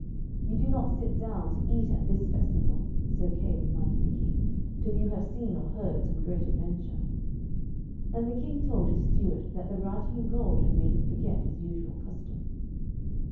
'You do not sit down to eat at this festival,' Sir Kay reminded the King, 'till you have seen or heard some great adventure.' And the King told his steward that the writing in gold had made him forget his usual custom.